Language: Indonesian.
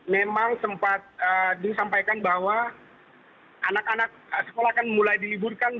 memang sempat disampaikan bahwa anak anak sekolah kan mulai diliburkan